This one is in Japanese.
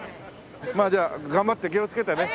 まあじゃあ頑張って気をつけてね。